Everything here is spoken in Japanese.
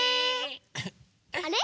あれ？